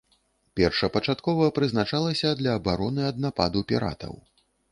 Першапачаткова прызначалася для абароны ад нападу піратаў.